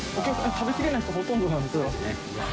食べきれない人がほとんどなんですか？